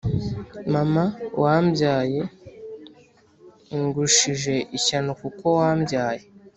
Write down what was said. Mama wambyaye ngushije ishyano kuko wambyaye